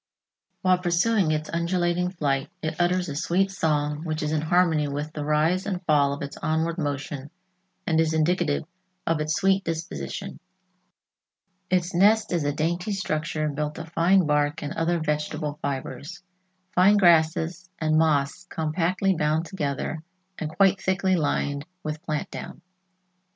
While pursuing its undulating flight, it utters a sweet song which is in harmony with the rise and fall of its onward motion and is indicative of its sweet disposition. Its nest is a dainty structure built of fine bark and other vegetable fibers, fine grasses and moss compactly bound together and quite thickly lined with plant down.